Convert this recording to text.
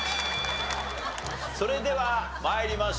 それでは参りましょう。